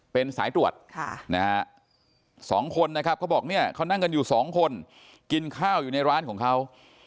เป็นสายตรวจ๒คนนะครับเขาบอกเนี่ยเขานั่งกันอยู่สองคนกินข้าวอยู่ในร้านของเขา